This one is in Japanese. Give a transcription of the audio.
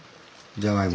じゃがいも。